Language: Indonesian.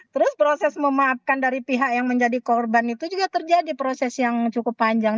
terus proses memaafkan dari pihak yang menjadi korban itu juga terjadi proses yang cukup panjang